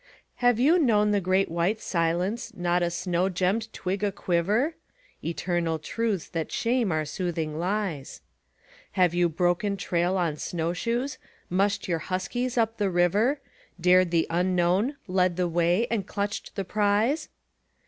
Have you known the Great White Silence, not a snow gemmed twig aquiver? (Eternal truths that shame our soothing lies.) Have you broken trail on snowshoes? mushed your huskies up the river, Dared the unknown, led the way, and clutched the prize?